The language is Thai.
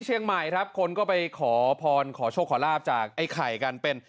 เชียงใหม่ครับคนก็ไปขอพรขอโชคขอลาบจากไอ้ไข่กันเป็น